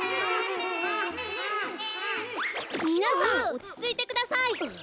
みなさんおちついてください。